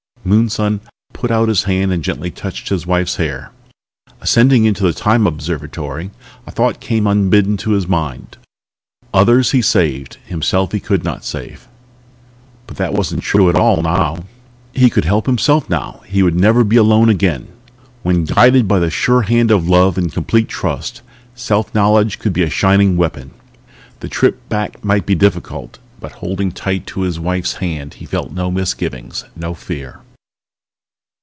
Moonson put out his hand and gently touched his wife's hair. Ascending into the Time Observatory a thought came unbidden into his mind: Others he saved, himself he could not save. But that wasn't true at all now. He could help himself now. He would never be alone again! When guided by the sure hand of love and complete trust, self knowledge could be a shining weapon. The trip back might be difficult, but holding tight to his wife's hand he felt no misgivings, no fear.